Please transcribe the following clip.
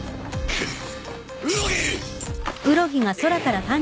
くっ。